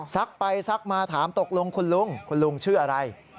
ไปซักมาถามตกลงคุณลุงคุณลุงชื่ออะไร